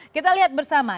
kita lihat bersama